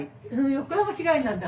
横浜市街なんだ。